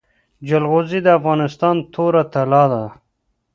جلغوزي د افغانستان توره طلا ده